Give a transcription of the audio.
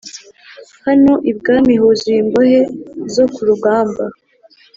hano ibwami huzuye imbohe zo kurugamba